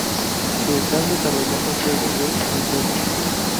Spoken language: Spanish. Se están desarrollando juegos de Nintendo.